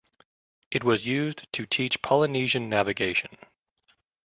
It was used to teach polynesian navigation.